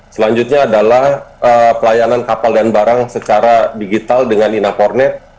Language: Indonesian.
selanjutnya adalah pelayanan kapal dan barang secara digital dengan ina kornet